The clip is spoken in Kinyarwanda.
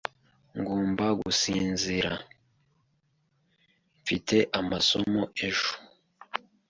Ngomba gusinzira! Mfite amasomo ejo.